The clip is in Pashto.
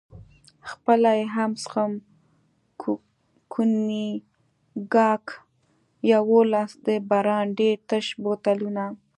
خپله یې هم څښم، کونیګاک، یوولس د برانډي تش بوتلونه.